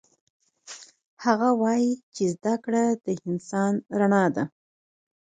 هغه وایي چې زده کړه د انسان رڼا ده